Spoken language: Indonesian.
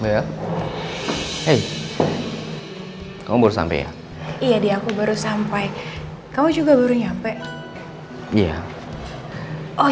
ya hei kamu sampai iya aku baru sampai kamu juga baru nyampe iya oh ya